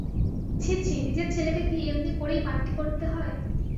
ছি ছি, নিজের ছেলেকে কি এমনি করেই মাটি করতে হয়।